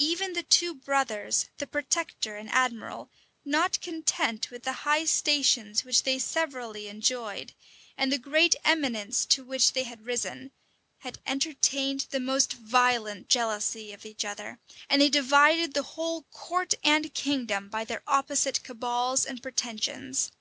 Even the two brothers, the protector and admiral, not content with the high stations which they severally enjoyed, and the great eminence to which they had risen, had entertained the most violent jealousy of each other; and they divided the whole court and kingdom by their opposite cabals and pretensions.